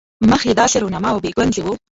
مخ یې داسې رونما او بې ګونځو وو.